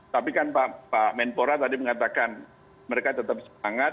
tapi kan pak menpora tadi mengatakan mereka tetap semangat